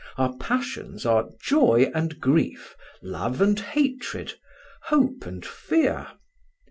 Our passions are joy and grief, love and hatred, hope and fear.